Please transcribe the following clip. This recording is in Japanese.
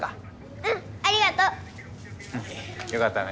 うんありがとう。よかったね。